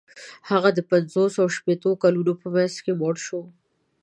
هغه د پنځوسو او شپیتو کلونو په منځ کې مړ شو.